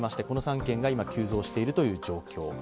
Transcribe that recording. この３県が今、急増しているという状況。